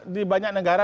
di banyak negara